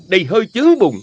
đầy hơi chớ bụng